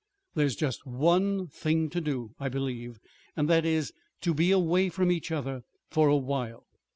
There's just one thing to do, I believe, and that is to be away from each other for a while.